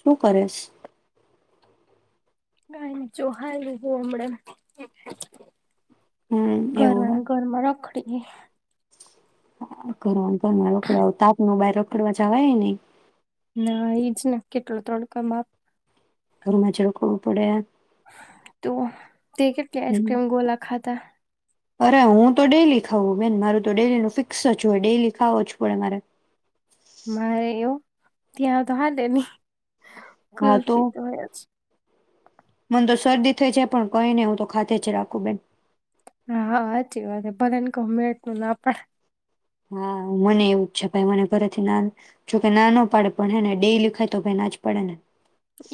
શું કરીશ? કાંઈ ચોહાઈલી હમડે. હમ્મ, એવું હે. [unintelligible] કરવાનું પણ મારે તાપ નું બારે કરવા જવાય નહી. ના એઈજ ને કેટલો તડકો બાપ. પરમા છેરો કોન પડે? તો? તે કેટલી હમ. આઈસક્રીમ, ગોલા ખાધા? અરે હું તો ડેલી ખઉ બેન મારું તો ડેલી ન ફિક્સ જ હોય ડેલી ખાવો જ પડે મારે. મારે એવું ત્યાં તો હાલે નઈ? કુલ્ફી તો હોય જ. મન તો શરદી થઈ છે પણ કહીને હું તો ખાતે છે રાખુ બેેન. બને કમેટ ના પણ હા મને એવું જ છે ભાઈ મને ફરથી ના જોકે નાનો પાડે પણ હે ને ડે લેખાય તો ભાઈ ના જ પડે ને.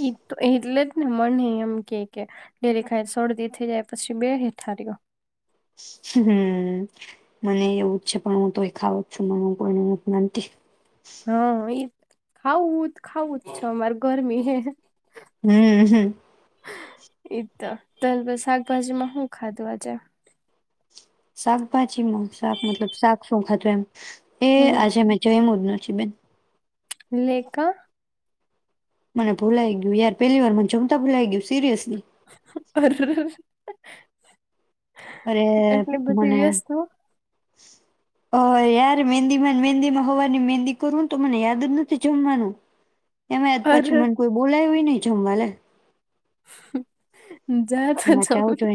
એ તો એટલે જને મને એમ કે કે ડેરી ખાઈ શરદી થઈ જાય પછી બે હેઠારયો. હમ મને એવું જ છે પણ હું તોય ખાવ જ છું મ કોઈને વિનંતી. હા એ. ખાવું જ ખાવું જ છે અમારે ગરમી. હમ હમ. એ તો અત્યાર શાકભાજીમાં ખાધું આજે? શાકભાજીમાં શાક મતલબ શાક શું ખાધુ એમ. મે હમ આજે મેં જયમું જ નથી કે બેન ને કા? મને ભૂલાઈ ગય યાર પેલી વાર મને જમતા ભૂલાઈ ગું સિરિયસ. અરરર અરે એટલી બધી મને. વ્યસ્ત હો હ યાર મહેંદીમાં મહેંદીમાં હોવાની મહેંદી કરું તો મને યાદ જ નથી જમવાનું. એમે પછી અરે મને કોઈ બોલાય હોય નહી. જમવા લે હ. જા તો જમી લે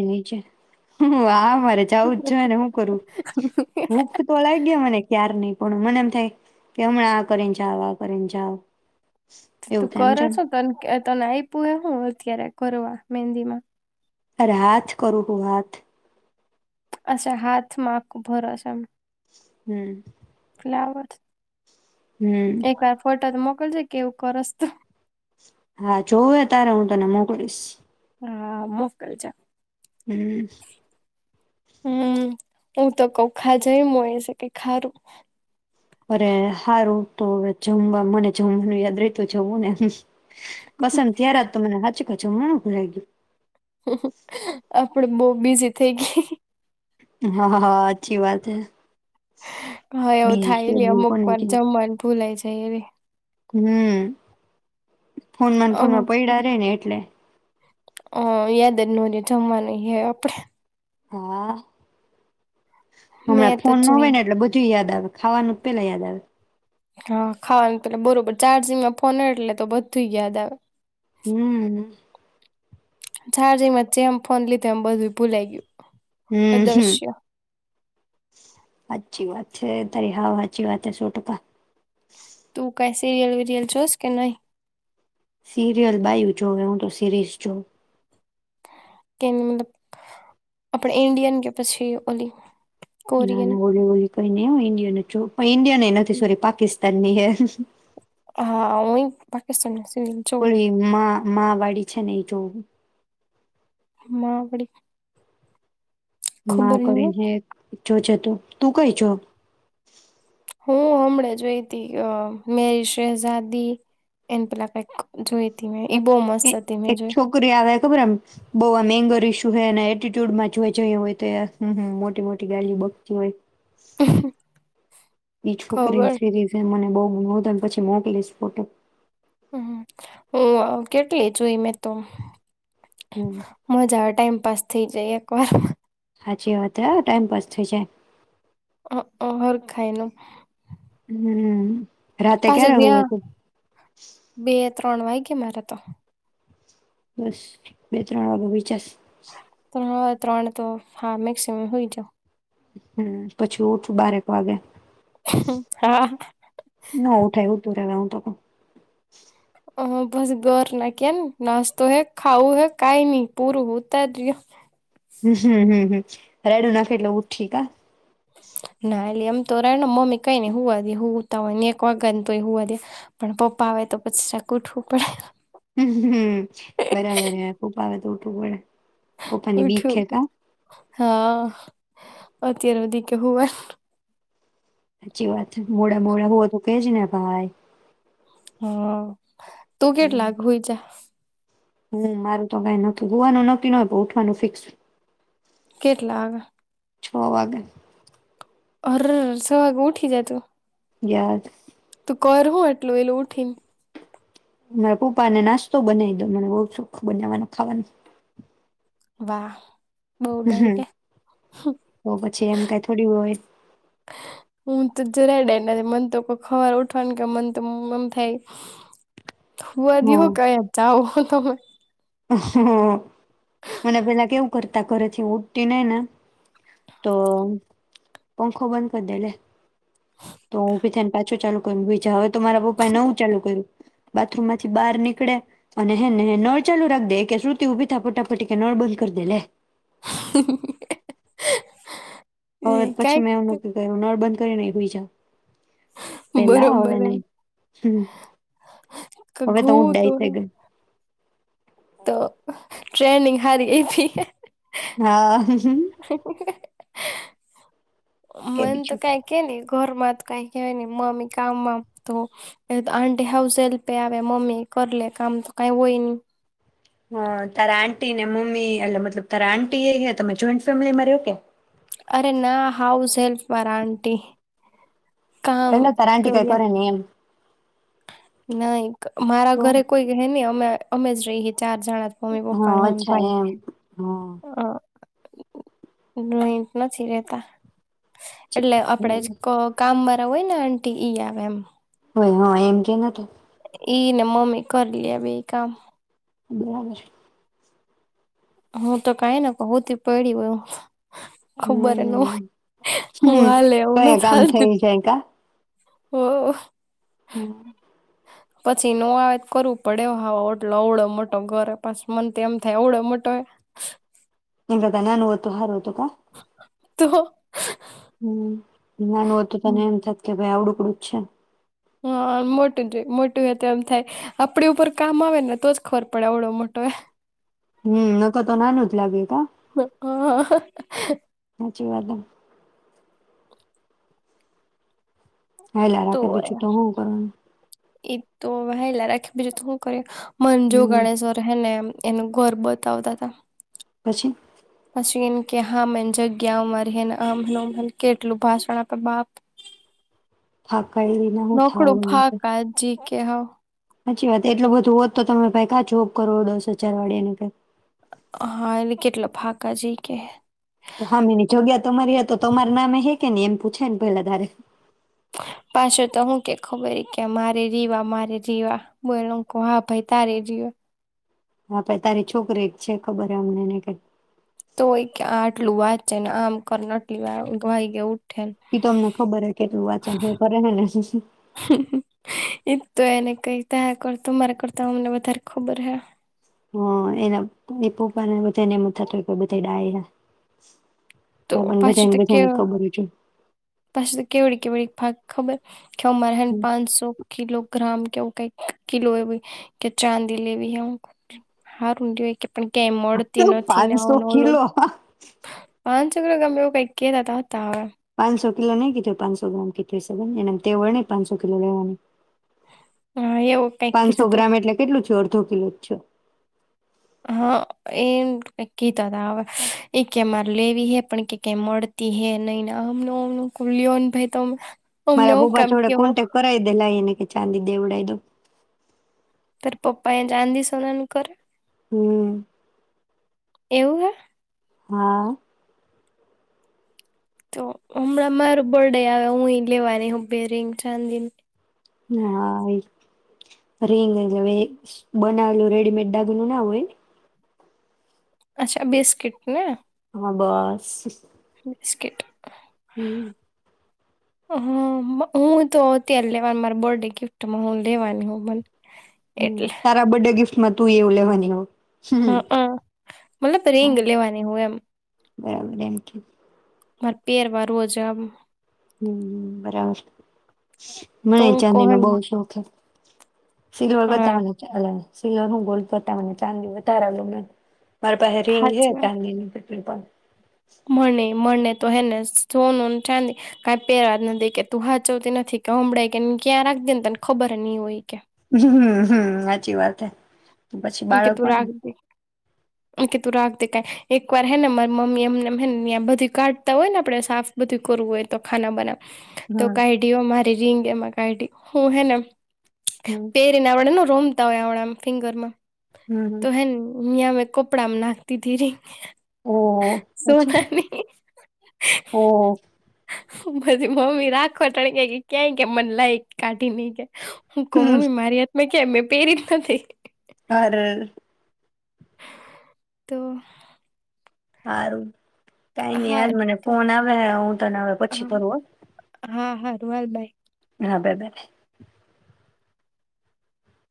હમ્મ આ હારે જવું જ જોઈને શું કરું. ભૂખ તો લાગે મને ક્યાર ની. પણ મને એમ થાય કે હમણાં આ કરીને જાવ, આ કરીને જાવ. એવું તું થાય એમ કર જાણ છો ને તો એમ કે તો આપ્યું એ હું અત્યારે કરવા મંદી માં? અરે હાથ કરું હું હાથ. અશા હાથ માકુ ભરશ એમ. હમ્મ. માવટ હમ એક વાર ફોટો તો મુક. કલ છે કેવું કરસ તો. હા જોવે તારે હું તને મોકલીશ. હા મુક કલ છે. હમ્મ. હમ્મ. હું તો કૌખા જાય છે કે ખારું? અરે હારું તો હવે જમવા મને જમવાનું યાદ રેતું જમવું ને. કસમ થીયરા તમને હાચુ. અચ્છા હું ભુરાય ગયું? આપડ બહ બીજી થઈ ગઈ. હા હા અચ્છી વાત હે હા એવું થાય એટલે બીજી અમુક કોને વાર કે, જમવાનું ભૂલાઈ જાય એવી હમ્મ. ફોનમાંન ફોનમાં પૈડા રે ને એટલે. અ યાદ જ નો રયુ જમવાનું હે આપણેે. હા. મેં હમણાં તો ફોન ન જોઈ હોય ને એટલે બધું યાદ આવે. ખાવાનું પેલા યાદ આવે. હા ખાવાનું પ બરોબર ચાર્જિંગમાં ફોન એટલે તો બધું યાદ આવે. હમ્મ. ચાર્જિંગમાં જેમ ફોન લીધું એમ બધું ભૂલાય ગયું. હમ્મ, અદ્રશ્ય સાચચી વાત. છે તારી હાવ હાચી વાત હે સો ટકા. તું કઈ સિરિયલ વિરિયલ જોસ કે નહી? સિરિયલ બાયું જોવે હું તો સિરીઝ જોવ. કે મત આપડણે ઇન્ડિયન કે પછી બલી ના હોળ હોળ. કોઈનેઈ હોને [unintelligible] ઓછું. ઈન્ડિયાને નથી સોરી પાકિ તાનની હે. હા હુય પાકિસ્તાની છું કોઇ લીમા માવાડી છે નહી જો માવડી મા કરીને હે એક જો છે તું તું કઈ છો હું હમણાં જોઈ ત મેરી શહેઝાદી એને પેલા કઈક જોઈ તી મે એક છોકરી આવે ખબર એમ બો આમ એંગલ ઇશુ શું એ એટટ્યુડમાં જોઈ જઈ હોય તો મોટી મોટી વેલ્યુ બકતી હોય એ છોકરી ખબર સીરીઝ મને બહુ હુ તને પછી મોકલીશ ફોટો હમ હુ કેટલી જોઈ મેં તો હમ મજા આવે ટાઈમ પાસ થઇ જાય એક વાર હાજી હવે વધારે ટાઇમ પાાસ થઇ જાય અ અર ખાયનું હમ રાતે ક્યારેવું હુવે જ્યાં તુ બે ત્રણ વાગે મારે તો બસ બે ત્રણ વાગુ વિચાસ હા ત્રણ તો હા મેક્સિમ હોઈ હુઈ જાઓ. હમ્મ પછી ઉઠું બારેક વાગે. હા ના ઉઠાય હુતુ રહેવા તો પણ. ઓહ બસ બર ના કેન નાસ્તો હે ખાાવું હૈ કઈ નહી પૂરું હોતા રિયો હમ્મ, હમ્મ, હમ્મ, હમ્મ. હેડ નાખે એટલે ઉઠી કા? ના અલી એમ તો રેને મમ્મી કઈ નહીં હોવા દે હું હુંતાં હોય ને એક વાગે ને તો હુંવા દે પણ પપ્પા આવે તો પછી જાકુ ઉઠવું પડે. હમ્મ બરાબર હ ખૂબ આવે તો ઉઠું પડે. પપ્પાની બીક ઉઠું હે કા હા. અત્યારે વધી કે હુંવા હાચી વાત મોડા મોડા હુએ તો કેજ ને ભાઈ. હા. તું કેટલા હુઈ જા? હમ્મ મારું તો કઈ નથી હુંવાનું ના નથી ના ઉઠવાનું ફિક્સ. કેટલા હવે? છો વાગે. અરર સવાગમાં ઉઠી જા તું? યાદ કરવુ એટલું વહેલું ઉઠીન? મારા પપ્પાને નાસ્તો બનાવી દો. મને બહ સુખ બનાવાનું ખાવાનું. વાહ. બઉ ડાયરા તો પછી એમ કઈ થોડી હોય. હું તો જરાય ડર નહિ મન તો કોઈ ખવાર ઉઠવાની કે મન તો મન થાય. વા હ દઓ કયા ચાવો થવો. હ મને પેલા કેવું કરતા ઘરેથી ઉડતી નઈ ને તો પંખો બંધ કરી દે લે તો હુભી થઈને પાછું ચાલુ કર બીજા તો મારા પપ્પાએ નવું ચાલુ કર્યું બાથરૂમ માંથી બહાર નીકળે અને હે ને ચાલુ રાખ દે કે શ્રુતિ ઉ બી થા ફટાફટી કે નોબંધ કરી દે લે. એ હવે પછી કઈક મેં એ મૂકી ગય નળબંધ કરીને હુઈજવ. પેલા બરોબર હવે હે નહી. હમ્મ હવે તો હું ડાઈ થઈ ગય. તો ટ્રેનિંગ હારી એ હા. કે મને તો બીજું કઈ કે ને ઘરમાં ત કાંઈ કેહવાય નઈ, મમ્મી ત કામમાં તો એ તો આંટી હાઉસ હેલ્પે આવે, મમ્મી કર લે કામ તો કાંઈ એવુ હોય નઈ હા તારા આંટીને મમ્મી એટલે મતલબ તારા આંટી એ અઈયા તમે જોઈન્ટ ફેમિલીમાં રહ્યો કે? અરે ના હાઉસ હેલ્પ વાળા આંટી કામ એને તાર આન્ટી કાંઈ કરે નઈ એમ નઈ ક મારા તો ઘરે કોઈક હેની અમે અમે જ રઈયે ચાર જણા જ, મમ્મી પપ્પા હા ને હું ન અચ્છા ભાઈ, એમ હા હં જોઈન્ટ નથી રેતા. ઠીક એટલે આપડે જ બરાબર ક કામમાં હોય ને આંટી ઈ આવે એમ. હોય હં, એમ કે ને તો ઈ ને મમ્મી કરી લે બેય કામ બરાબર. હું તો કંઈ ન કઉ હુતી પડી હોઉ. હમ્મ, હું હમ્મ હાલે હું કયા નથી ગામ થઈ હાલતી શને જાય કા? હો હમ્મ. પછી નો આવે તો કરવું પડે હો હાવ ઓટલો અવડો મોટો ઘરે પસ મન તો એમ થાય અવડો મોટો હોય એન કરતા નાનુ હોય તો હારુ. તો કાં? તો હમ્મ, નાનું હોતું પણ એમ થાય કે ભાઈ આવડું અચ્છા. હા મોટું જોઈ મોટું હો તો એમ થાય આપડી ઉપર કામ આવે ને તો જ ખબર પડે ઓડો મોટો એ. હમ્મ ન ક તો નાનું જ લાગ્યું. હા. સાચીવાદ. હાલ તો રાખૂ દી [unintelligible] ભલા રાખી બીજ તું હું કર મંજુ, હમ ગણેશ્વર હે ને એનું ઘર બતાવતા તા. પછી? પછી એમ કે હા મન જગ્યા મારીને આમનું કેટલું ભાષણ આપે બાપ. હા. નોકડું ફાકા જી કે હા સાચી વાત એટલું બધું હોત તો તમે ભઈ કા જોબ કરો દસ હજાર વાળિયા ને કઈક હા એલે કેટલા ફાકા જી કે. તો હા મેની જગ્યા તમારી હતી તો તમાર નામે હે કે એમ પૂછે ને પેલા તારે? પાછો તો હું કે ખબર કે મારે રીવા મારે રીવા બો હા ભાઈ તારી રીવા હા પણ તારી છોકરી એક છે ખબર હ અમને ને કેઈ તોય કે આ આટલું વાંચ છે ને આમ કરને આટલી વાઈ ગય એ તો મુઠો ભરે કે [inaudible] ભરેને એ તો એને કઈ થયા કર તમારા કરતા અમને વધારે ખબર હૈ હ એના એ પપ્પા ને બધાને એમ થતો કે બધા ડાય હ તો પણ બધા ને બધા ને કેવ ખબર છે પછી તો કેવડી કેવડી ભાગ ખબર કે મારે હેન પાંચસો કિલોગ્રામ કેવું કઈકી લો કે ચાંદી લેવીઈ હ હાર ઊડી કે પણ ક્યાય મળતી નથી ને પાંચસો આવું ન હોલુ કિલો પાંચસો કિલો કે આમ એવું કઈક કેતા ત હતા હવે પાંસો કિલો નઈ કીધો પાચસો ગ્રામ કીધો છે એવર ન પાંસો કિલો લેવાની હા એવું કઈક પાંચસો કીધું તું ગ્રામ એટલે કેટલું છેડ અડધો કિલો જ છો હા એમ કીતા ત હ એ કેમારે લેવી હે પણ કે ક મળતી હે નહીને આમ લિન ભાઈ તો મારા બોબા છોડે કોન્ટેક્ટ કરાવી દે લ એને કે ચાંદી દેવડાઈ તો તારા પપ્પા એ ચાંદી સોનાનુ કરે હમ્મ. એવું હે હા. તો હમણાં મારો બર્ડે આવે, હું લેવાની હબે રિંગ ચાંદિની હા, રિંગજ હવે બનાવેલું રેડીમેડ દાગનું ના હોય અચ્છા બિસ્કીટ ને હા, બસ. બિસ્કિટ હમ્મ. હા, હું તો ત્યારે લેવાની, મારા બર્ડે ગિફ્ટમાં હું લેવાની હું મને હમ્મ, એટલે તારા બડે ગિફ્ટ મા તું એવું લેવાની, હા. હા, મતલબ રીંગ લેવાની હું એમ બરાબર એમકે મારે પેરવા રોજ હમ્મ, બરાબર. તો મને હું ચાંદી નો કોન બહુ શોખ હે. [unintelligible] હા મને ચાલે સિલ્વર હ ગોલ્ડ કરતા મને ચાંદી વધારે ગમે. મારે પહે રિંગ હે હાચવા ચાંદીનું બ પણ મને મળને તો હેને સોનુંને ચાંદી કઈ પહેરા જ નદે, કે તું હાચવતી નથી કે હભળાઈ કે ક્યાં રાખ દે ને તને ખબર નહી હોય કે હમ્મ, હાચી વાત હૈ. એમકે તું રાખ, એમકે તું રાખ ક એકવાર હે ને મારી મમ્મી એમને બધું કાઢતા હોય ને આપડે સાફ બધું કરવું હોય તો ખાના બનાવ તો હમ કાયડીઓ મારી રીંગ એમાં કાઇઢી, હું હે ને હમ પેરીનેવડ રોમ તા હોણા ફિંગર માં હમ તો હે નિયામ કપડામાં નાખતી ધી રિંગ ઓ સોનાની ઓહ પછી મમ્મી રાખો ટણગ્યા કે ક્યાંય કે મને લાય કાઢી ઈ કે હૂં કવ હમ મમ્મી મારી હાટે મેં કે મેં પેહરીજ નથી હાર તો હારું. કાઈ નઈ યાર હારું મને તો ફોન આવે હે, હું તને હવે પછી કરું હો. હા, હા તો હાલ બાય. હા બાય-બાય.